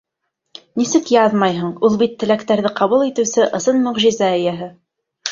Нисек яҙмайһың, ул бит теләктәрҙе ҡабул итеүсе ысын мөғжизә эйәһе!